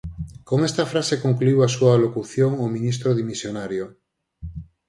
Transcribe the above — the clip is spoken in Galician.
Con esta frase concluíu a súa alocución o ministro dimisionario.